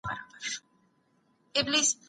فارابي د نظم ملاتړ کوي.